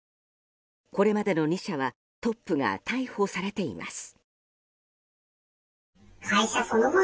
これまでの２社はトップが逮捕されています。